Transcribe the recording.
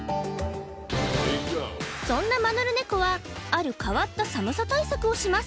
そんなマヌルネコはある変わった寒さ対策をします